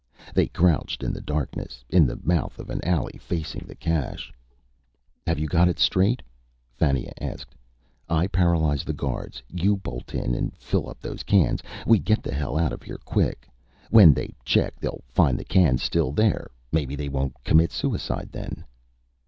They crouched in the darkness, in the mouth of an alley facing the cache. "Have you got it straight?" Fannia asked. "I paralyze the guards. You bolt in and fill up those cans. We get the hell out of here, quick. When they check, they find the cans still there. Maybe they won't commit suicide then."